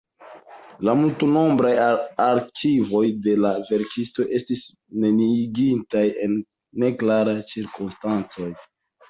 La multnombraj arkivoj de la verkisto estis neniigitaj en neklaraj cirkonstancoj.